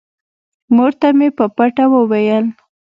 مور ته مې په پټه وويل.